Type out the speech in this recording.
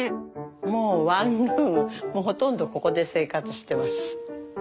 もうワンルームもうほとんどここで生活してます。